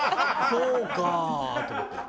そうか！と思って。